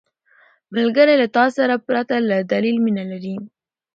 ملګری له تا سره پرته له دلیل مینه لري